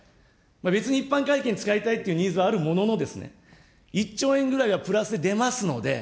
別に一般会計に使いたいというニーズはあるものの、１兆円ぐらいはプラス出ますので、